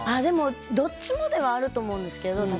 どっちもではあると思うんですけど。